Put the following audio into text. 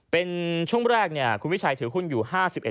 เป็นช่วงแรกคุณวิชัยถือหุ้นอยู่๕๑